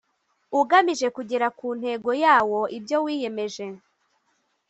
ugamije kugera ku ntego yawo ibyo wiyemeje